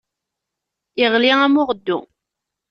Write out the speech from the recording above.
Iɣli, am uɣeddu.